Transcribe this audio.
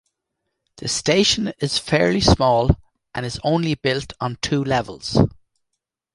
The station is fairly small and is only built on two levels.